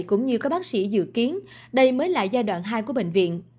cũng như các bác sĩ dự kiến đây mới là giai đoạn hai của bệnh viện